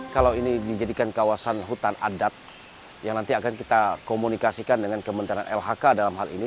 kalau ini dijadikan kawasan hutan adat yang nanti akan kita komunikasikan dengan kementerian lhk dalam hal ini